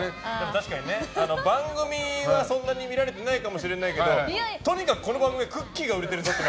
確かに、番組はそんなに見られてないかもしれないけどとにかく、この番組はクッキーが売れてるぞって。